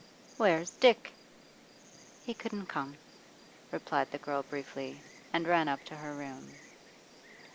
'Where's Dick? 'He couldn't come,' replied the girl briefly, and ran up to her room.